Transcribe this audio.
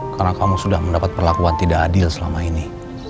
karena kamu sudah mendapat perlakuan tidak adil selama ini